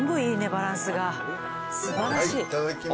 バランスが素晴らしい。